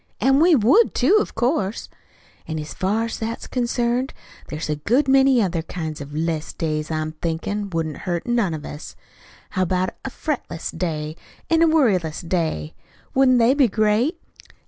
"An' we would, too, of course. "An' as far as that's concerned, there's a good many other kinds of 'less days that I'm thinkin' wouldn't hurt none of us. How about a fretless day an' a worryless day? Wouldn't they be great?